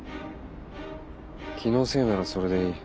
気のせいならそれでいい。